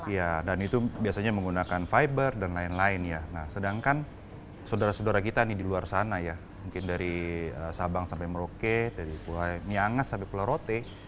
ya dan itu biasanya menggunakan fiber dan lain lain ya nah sedangkan saudara saudara kita nih di luar sana ya mungkin dari sabang sampai merauke dari pulau miangas sampai pulau rote